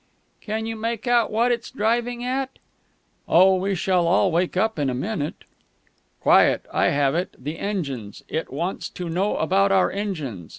"Can you make out what it's driving at?" "Oh, we shall all wake up in a minute...." "Quiet, I have it; the engines; it wants to know about our engines.